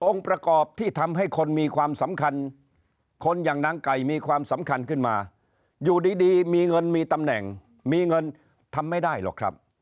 ประกอบที่ทำให้คนมีความสำคัญคนอย่างนางไก่มีความสำคัญขึ้นมาอยู่ดีมีเงินมีตำแหน่งมีเงินทำไม่ได้หรอกครับ